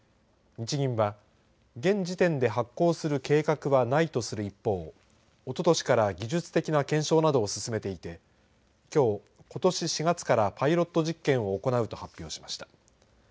日銀は現時点で発行する計画はないとする一方おととしから技術的な検証などを進めていてきょう、ことし４月からパイロット実験を行うと発表しました。